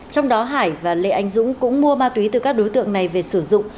trong đó hải và lê anh dũng cũng mua ma túy từ các đối tượng này về sử dụng